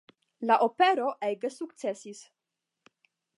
La opero ege sukcesis.